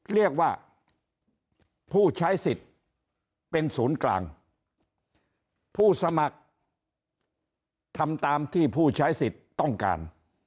เรียกว่าผู้ใช้สิทธิ์เป็นศูนย์กลางผู้สมัครทำตามที่ผู้ใช้สิทธิ์ต้องการ